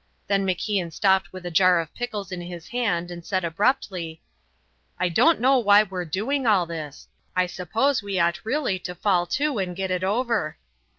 Then MacIan stopped with a jar of pickles in his hand and said abruptly: "I don't know why we're doing all this; I suppose we ought really to fall to and get it over."